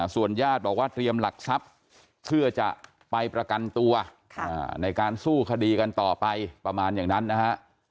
ส่วนญาติบอกว่าเตรียมหลักทรัพย์เพื่อจะไปประกันตัวในการสู้คดีกันต่อไปประมาณอย่างนั้นนะฮะ